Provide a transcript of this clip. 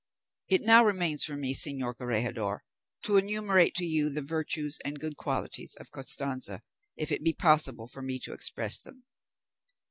It now remains for me, señor Corregidor, to enumerate to you the virtues and good qualities of Costanza, if it be possible for me to express them.